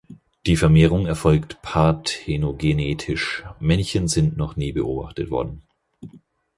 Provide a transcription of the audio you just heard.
Die Vermehrung erfolgt parthenogenetisch, Männchen sind noch nie beobachtet worden.